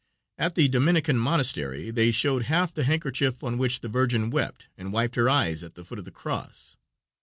At the Dominican Monastery they showed half the handkerchief on which the Virgin wept and wiped her eyes at the foot of the cross.